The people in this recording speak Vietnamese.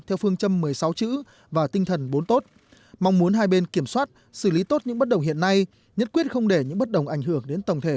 theo phương châm một mươi sáu chữ và tinh thần bốn tốt